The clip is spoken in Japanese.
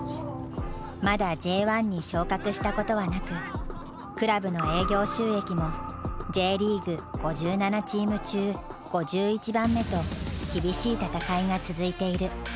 まだＪ１に昇格したことはなくクラブの営業収益もＪリーグ５７チーム中５１番目と厳しい戦いが続いている。